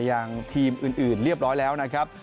อย่างทีมอื่นเรียบร้อยแล้วนะครับ